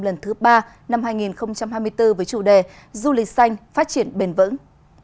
lần thứ ba năm hai nghìn hai mươi bốn với chủ đề du lịch xanh phát triển bền vững